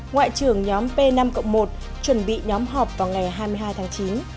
ngoại trưởng nhóm p năm một chuẩn bị nhóm họp vào ngày hai mươi hai tháng chín